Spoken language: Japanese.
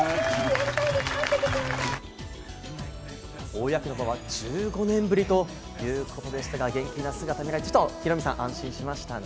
公の場は１５年ぶりということでしたが、元気な姿、ヒロミさん、安心しましたね。